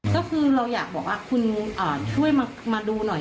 ก็คือเราอยากบอกว่าคุณช่วยมาดูหน่อย